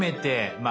まあ